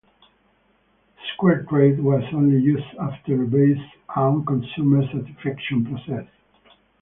SquareTrade was only used after eBay's own consumer satisfaction process.